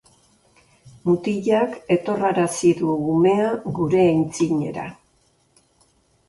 Mutilak etorrarazi du umea gure aitzinera.